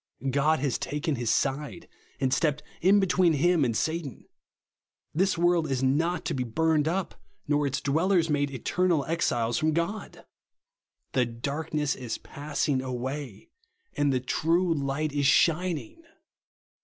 God has taken his side, and stepped in between him and Satan. This u^orld is not to be burned up, nor its dwellers made eternal exiles from God 1 The darkness is passing away, and the true light is shining